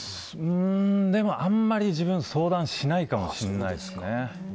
あんまり、自分相談しないかもしれないですね。